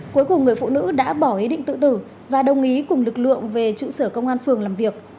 cuối cùng người phụ nữ đã bỏ ý định tự tử và đồng ý cùng lực lượng về trụ sở công an phường làm việc